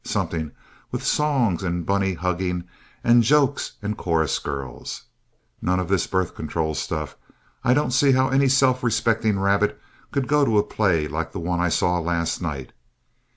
Something with songs and bunny hugging and jokes and chorus girls. None of this birth control stuff. I don't see how any self respecting rabbit could go to a play like the one I saw last night.